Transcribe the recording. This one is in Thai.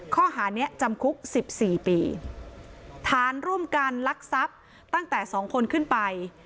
ข้อหานี้จำคุกสิบสี่ปีฐานร่วมกันลักทรัพย์ตั้งแต่สองคนขึ้นไป